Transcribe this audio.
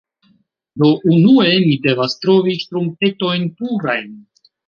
Do, unue mi devas trovi ŝtrumpetojn purajn